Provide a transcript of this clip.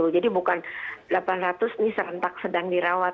jadi bukan delapan ratus ini serentak sedang dirawat